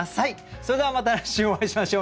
それではまた来週お会いしましょう。